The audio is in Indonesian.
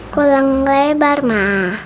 kulang lebar ma